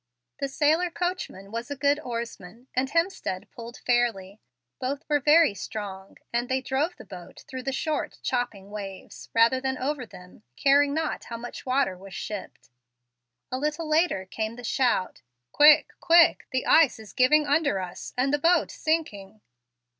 The sailor coachman was a good oarsman, and Hemstead pulled fairly. Both were very strong, and they drove the boat through the short, chopping waves, rather than over them, caring not how much water was shipped. A little later came the shout, "Quick, quick! The ice is giving under us, and the boat sinking."